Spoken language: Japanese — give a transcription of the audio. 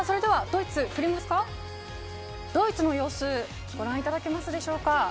ドイツの様子ご覧いただきますでしょうか。